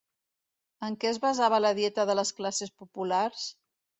En què es basava la dieta de les classes populars?